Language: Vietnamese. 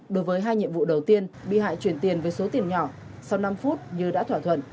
đối với hai nhiệm vụ đầu tiên bị hại chuyển tiền với số tiền nhỏ sau năm phút như đã thỏa thuận